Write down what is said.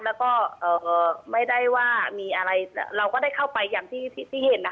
แล้วก็ไม่ได้ว่ามีอะไรเราก็ได้เข้าไปอย่างที่เห็นนะคะ